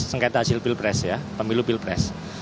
sengketa hasil pilpres ya pemilu pilpres